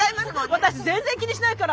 私全然気にしないから。